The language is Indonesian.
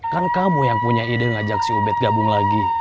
kan kamu yang punya ide ngajak si ubed gabung lagi